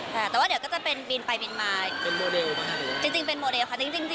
แต่ว่าเดี๋ยวก็จะเป็นบินไปบินมา